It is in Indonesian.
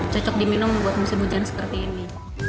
cocok diminum buat musim hujan seperti ini